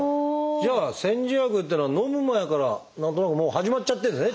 じゃあ煎じ薬っていうのはのむ前から何となくもう始まっちゃってるんですね